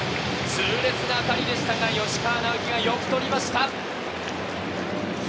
痛烈な当たりでしたが、吉川尚輝がよく捕りました。